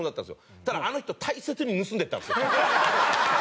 そうしたらあの人大切に盗んでいったんですよ。